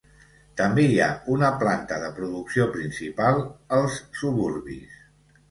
També hi ha una planta de producció principal als suburbis.